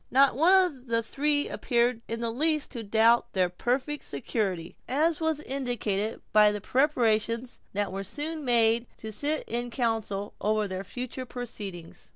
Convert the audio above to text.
Not one of the three appeared in the least to doubt their perfect security, as was indicated by the preparations that were soon made to sit in council over their future proceedings.